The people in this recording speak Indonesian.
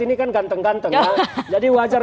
ini kan ganteng ganteng jadi wajar